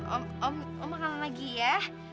om om om makan lagi ya